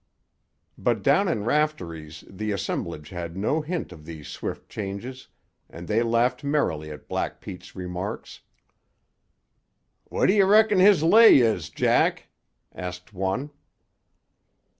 But down in Raftery's the assemblage had no hint of these swift changes, and they laughed merrily at Black Pete's remarks. "What d'you reckon his lay is, Jack?" asked one.